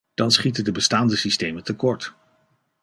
Dan schieten de bestaande systemen tekort.